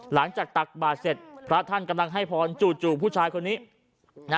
ตักบาทเสร็จพระท่านกำลังให้พรจู่ผู้ชายคนนี้